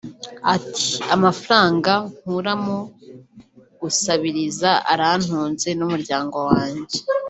Ati "Amafaranga nkura mu gusabiriza arantunze n’umuryango wajye